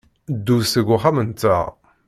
Ddu seg uxxam-nteɣ.